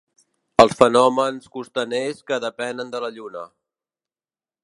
Els fenòmens costaners que depenen de la lluna.